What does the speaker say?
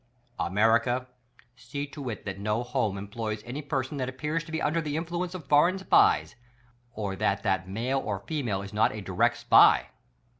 America, see to it that no home cm_ploys any person that appears to be under the influence of foreign SPIES, or that that male or female is not a direct SPY!